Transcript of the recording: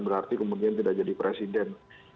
berarti kemudian tidak jadi presiden